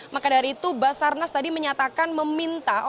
maka dari itu basarnas tadi menyatakan meminta